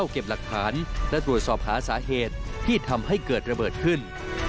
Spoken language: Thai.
เก็บหลักฐานและตรวจสอบหาสาเหตุที่ทำให้เกิดระเบิดขึ้น